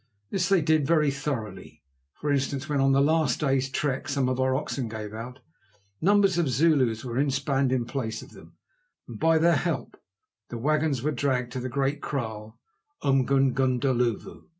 This they did very thoroughly. For instance, when on the last day's trek, some of our oxen gave out, numbers of Zulus were inspanned in place of them, and by their help the wagons were dragged to the great kraal, Umgungundhlovu.